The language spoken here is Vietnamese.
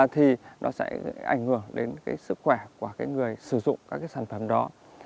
thì nó sẽ ảnh hưởng đến cái sức khỏe của người sử dụng các cái sản phẩm đó